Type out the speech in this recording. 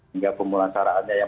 hingga pemulasaraannya yang